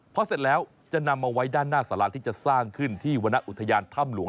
พอเสร็จแล้วจะนำมาไว้ด้านหน้าสาราที่จะสร้างขึ้นที่วรรณอุทยานถ้ำหลวง